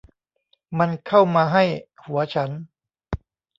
มันเข้ามาให้หัวฉัน